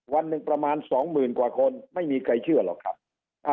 วันหนึ่งประมาณสองหมื่นกว่าคนไม่มีใครเชื่อหรอกครับ